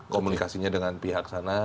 komunikasinya dengan pihak sana